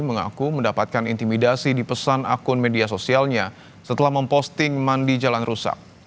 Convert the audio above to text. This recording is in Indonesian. mengaku mendapatkan intimidasi di pesan akun media sosialnya setelah memposting mandi jalan rusak